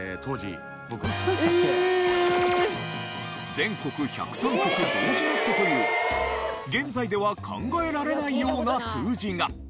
全国１０３局同時ネットという現在では考えられないような数字が。